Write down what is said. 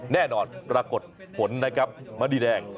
แน่นอนปรากฏผลนะครับมณีแดง